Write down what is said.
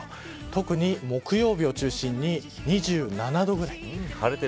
特に、木曜日を中心に２７度ぐらい。